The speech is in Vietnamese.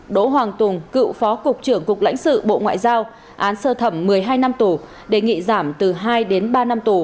đỗ hoàng tùng cựu phó cục trưởng cục lãnh sự bộ ngoại giao án sơ thẩm một mươi hai năm tù đề nghị giảm từ hai đến ba năm tù